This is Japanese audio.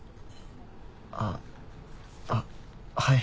あっあっはい。